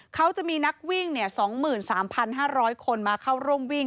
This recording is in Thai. เขาจะมีนักวิ่ง๒๓๕๐๐คนมาเข้าร่วมวิ่ง